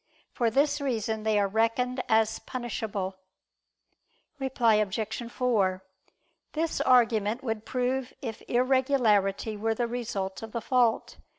For this reason they are reckoned as punishable. Reply Obj. 4: This argument would prove if irregularity were the result of the fault.